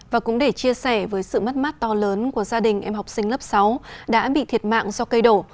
và cũng để chia sẻ với sự mất mát to lớn của gia đình em học sinh lớp sáu đã bị thiệt mạng do cây đổ